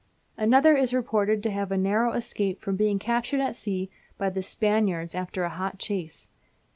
Another is reported to have had a narrow escape from being captured at sea by the Spaniards after a hot chase.